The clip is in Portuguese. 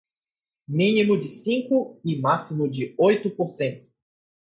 mínimo de cinco e máximo de oito por cento